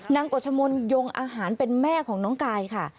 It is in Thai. กฎชมนยงอาหารเป็นแม่ของน้องกายค่ะ